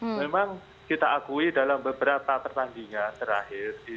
memang kita akui dalam beberapa pertandingan terakhir